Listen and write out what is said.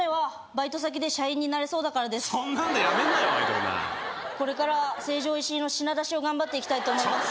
アイドルがこれからは成城石井の品出しを頑張っていきたいと思います